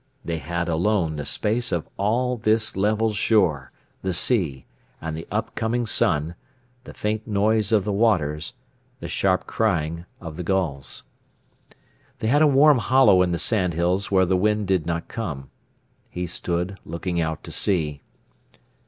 They had alone the space of all this level shore, the sea, and the upcoming sun, the faint noise of the waters, the sharp crying of the gulls. They had a warm hollow in the sandhills where the wind did not come. He stood looking out to sea.